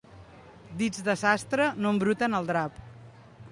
Dits de sastre no embruten el drap.